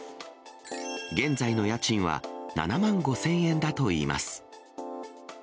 現在の家賃は７万５０００円だといいます。